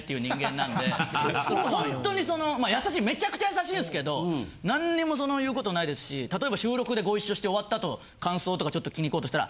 ほんとにその優しいめちゃくちゃ優しいんすけど何にも言うことないですし例えば収録でご一緒して終わった後感想とかちょっと聞きに行こうとしたら。